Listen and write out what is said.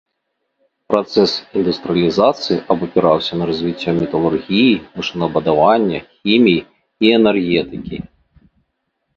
Працэс індустрыялізацыі абапіраўся на развіццё металургіі, машынабудавання, хіміі і энергетыкі.